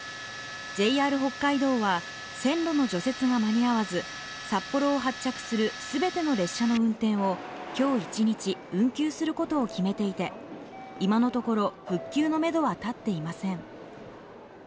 ＪＲ北海道は線路の除雪が間に合わず札幌を発着するすべての列車の運転をきょう１日運休することを決めていて今のところ復旧のメドは立っていません